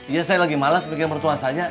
iya saya lagi males mikirin mertua saya